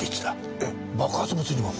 えっ爆発物にも？